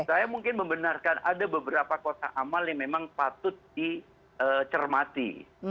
saya mungkin membenarkan ada beberapa kotak amal yang memang patut dicermati